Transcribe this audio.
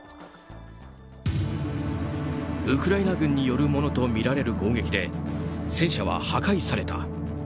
ウクライナ軍によるものとみられる攻撃で戦車は破壊された。